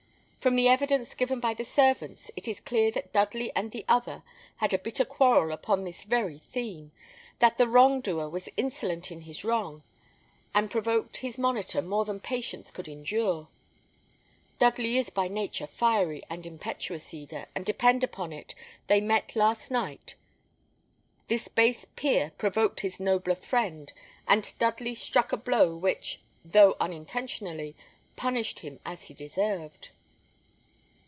From the evidence given by the servants, it is clear that Dudley and the other had a bitter quarrel upon this very theme; that the wrongdoer was insolent in his wrong, and provoked his monitor more than patience could endure. Dudley is by nature fiery and impetuous, Eda, and depend upon it, they met last night; this base peer provoked his nobler friend, and Dudley struck a blow which, though unintentionally, punished him as he deserved."